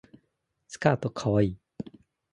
スカートかわいい